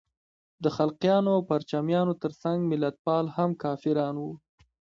د خلقیانو او پرچمیانو تر څنګ ملتپال هم کافران وو.